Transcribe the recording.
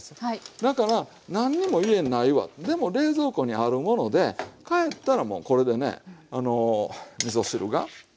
だから何にも家にないわでも冷蔵庫にあるもので帰ったらもうこれでねみそ汁が食べられるという話なんですわ。